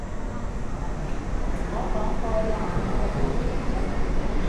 我講過話我會追你